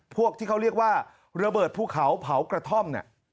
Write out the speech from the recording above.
พวกที่เขาเรียกว่าระเบิดภูเขาเผากระท่อมเนี่ย